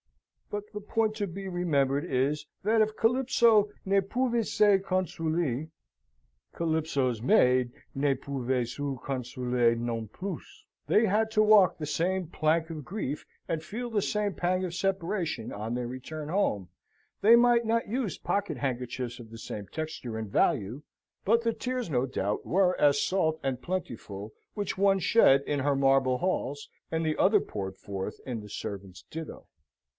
But the point to be remembered is, that if Calypso ne pouvait se consoler, Calypso's maid ne pouvait se consoler non plus. They had to walk the same plank of grief, and feel the same pang of separation; on their return home, they might not use pocket handkerchiefs of the same texture and value, but the tears, no doubt, were as salt and plentiful which one shed in her marble halls, and the other poured forth in the servants' ditto.